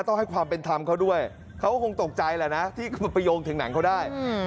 ต้องให้ความเป็นธรรมเขาด้วยเขาก็คงตกใจแหละนะที่ไปโยงถึงหนังเขาได้